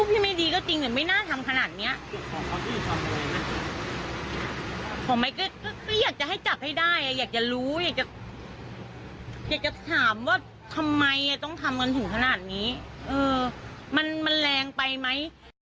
อยากจะถามว่าทำไมต้องทำกันถึงขนาดนี้มันแรงไปไหม